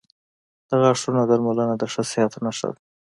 • د غاښونو درملنه د ښه صحت نښه ده.